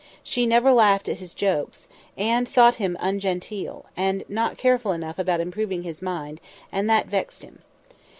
She never laughed at his jokes, and thought him ungenteel, and not careful enough about improving his mind; and that vexed him.